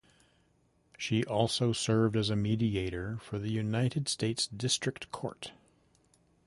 She also served as a mediator for the United States District Court.